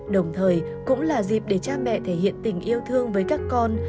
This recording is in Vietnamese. đồng thời cũng là dịp để cha mẹ thể hiện tình yêu thương với các con